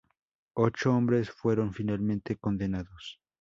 Ocho hombres fueron finalmente condenados.